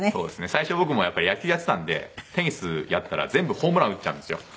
最初僕もやっぱり野球やってたんでテニスやったら全部ホームラン打っちゃうんですよ。